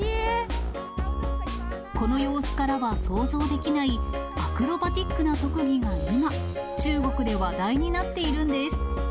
この様子からは想像できないアクロバティックな特技が今、中国で話題になっているんです。